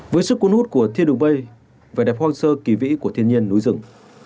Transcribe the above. với sức cuốn hút của thiên đường vây vẻ đẹp hoang sơ kỳ vĩ của thiên nhiên núi rừng